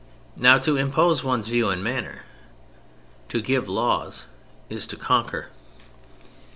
Now to impose one's view and manner, dare leges (to give laws), is to conquer.